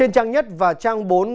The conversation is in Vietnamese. trang nhất và trang bốn báo tuổi trẻ